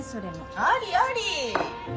ありあり！